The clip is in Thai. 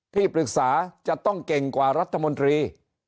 ที่ปรึกษาจะต้องเก่งกว่ารัฐมนตรี